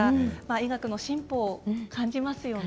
医学の進歩を感じますよね。